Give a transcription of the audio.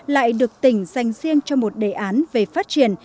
lại được tỉnh dành riêng cho một đề án về phát triển